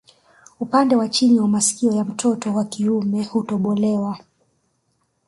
Upande wa chini wa masikio ya watoto wa kiume hutobolewa